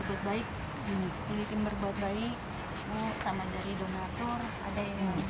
ada yang melihat kondisinya